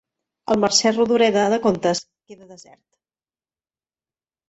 El Mercè Rodoreda de contes queda desert